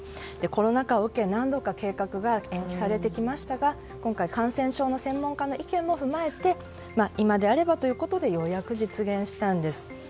コロナ禍を受け何度か計画が延期されてきましたが、今回感染症の専門家の意見も踏まえて今であればということでようやく実現したんです。